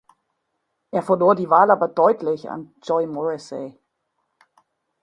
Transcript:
Er verlor die Wahl aber deutlich an Joy Morrissey.